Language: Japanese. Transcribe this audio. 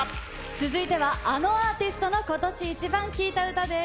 続いてはあのアーティストの今年イチバン聴いた歌です。